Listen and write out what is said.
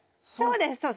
そうです。